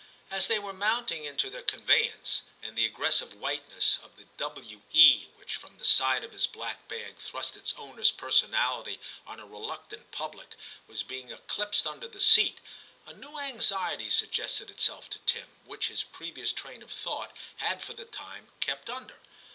As they were mounting into their con veyance, and the aggressive whiteness of the * W. E./ which from the side of his black bag thrust its owner's personality on a reluctant public, was being eclipsed under the seat, a new anxiety suggested itself to Tim, which his previous train of thought had for the time kept under.